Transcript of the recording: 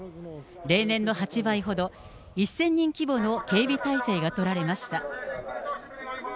例年の８倍ほど、１０００人規模の警備態勢が取られました。